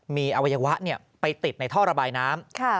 มีอวัยวะไปติดในท่อระบายน้ำ